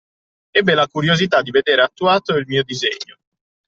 Ebbe la curiosità di vedere attuato il mio disegno.